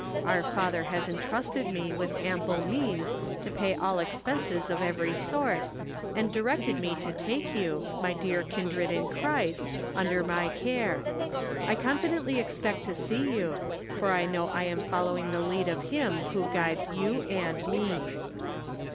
Our Father has entrusted me with ample means to pay all expenses of every sort, and directed me to take you, my dear kindred in Christ, under my care. I confidently expect to see you, for I know I am following the lead of Him who guides you and me.